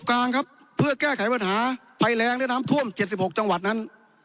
กลางครับเพื่อแก้ไขปัญหาภัยแรงและน้ำท่วม๗๖จังหวัดนั้น